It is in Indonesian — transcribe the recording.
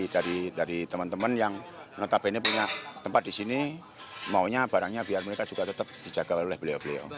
dari teman teman yang notabene punya tempat di sini maunya barangnya biar mereka juga tetap dijaga oleh beliau beliau